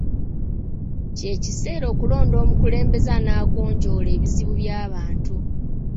Ky'ekiseera okulonda omukulembeze anaagonjoola ebizibu by'abantu.